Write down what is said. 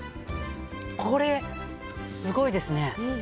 これ、すごいですね。